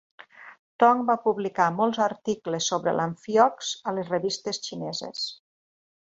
Tong va publicar molts articles sobre l'amfiox a les revistes xineses.